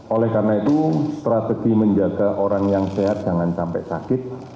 oleh karena itu strategi menjaga orang yang sehat jangan sampai sakit